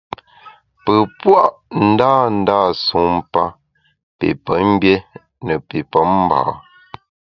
Pe pua’ ndândâ sumpa pi pemgbié ne pi pemba.